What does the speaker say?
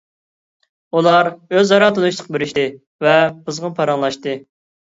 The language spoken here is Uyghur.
ئۇلار ئۆزئارا تونۇشلۇق بېرىشتى ۋە قىزغىن پاراڭلاشتى.